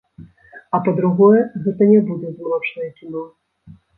А па-другое, гэта не будзе змрочнае кіно.